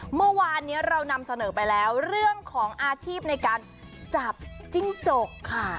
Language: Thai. เมื่อวานนี้เรานำเสนอไปแล้วเรื่องของอาชีพในการจับจิ้งจกค่ะ